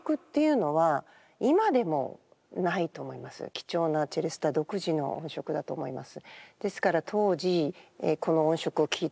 貴重なチェレスタ独自の音色だと思います。